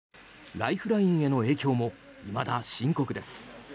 ライフラインへの影響もいまだ深刻です。